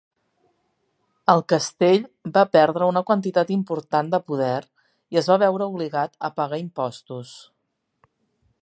El castell va perdre una quantitat important de poder i es va veure obligat a pagar impostos.